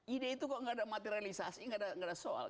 ide itu kok gak ada materialisasi gak ada soal